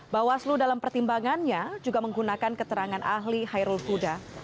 bawaslu dalam pertimbangannya juga menggunakan keterangan ahli hairul kuda